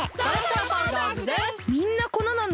みんな粉なんだ！